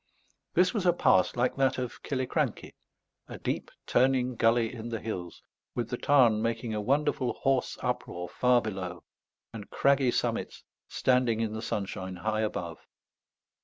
This was a pass like that of Killiecrankie; a deep turning gully in the hills, with the Tarn making a wonderful hoarse uproar far below, and craggy summits standing in the sunshine high above.